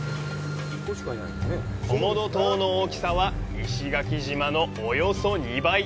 コモド島の大きさは石垣島のおよそ２倍。